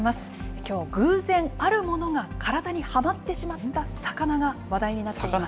きょう偶然、あるものが体にはまってしまった魚が話題になっています。